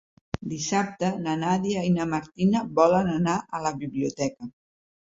Dissabte na Nàdia i na Martina volen anar a la biblioteca.